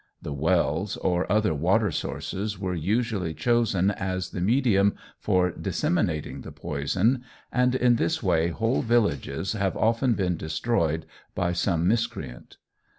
The wells or other water sources were usually chosen as the medium for disseminating the poison, and in this way whole villages have often been destroyed by some miscreant.